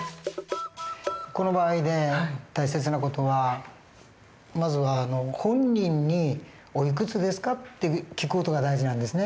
この場合で大切な事はまずは本人に「おいくつですか？」って聞く事が大事なんですね。